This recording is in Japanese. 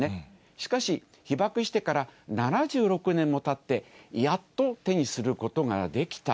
しかし、被爆してから７６年もたって、やっと手にすることができた。